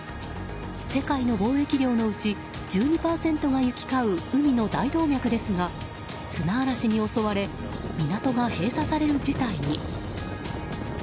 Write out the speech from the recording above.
世界の貿易量のうち１２％が行き交う海の大動脈ですが、砂嵐に襲われ港が閉鎖される事態に。